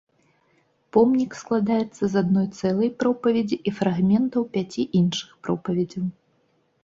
Помнік складаецца з адной цэлай пропаведзі і фрагментаў пяці іншых пропаведзяў.